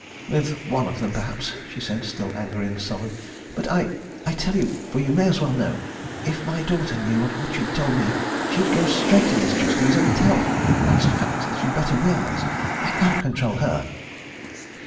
"With one of them perhaps," she said, still angry and sullen. "But I tell you, for you may as well know if my daughter knew of what you've told me, she'd go straight to these trustees and tell! That's a fact that you'd better realize. I can't control her."